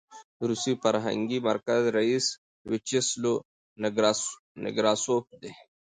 د روسي فرهنګي مرکز رییس ویچسلو نکراسوف دی.